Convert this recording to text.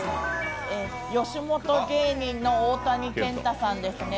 吉本芸人の大谷健太さんです。